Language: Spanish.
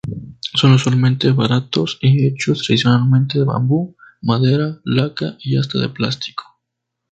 Son usualmente baratos y hechos tradicionalmente de bambú, madera, laca, y hasta de plástico.